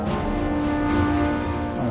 ああ